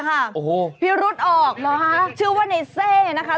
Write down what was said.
โอ้โหพิรุษออกเหรอฮะชื่อว่าในเซนะคะ